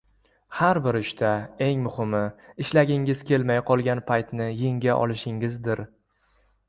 Har bir ishda, eng muhimi, ishlagingiz kelmay qolgan paytni yenga olishingizdir.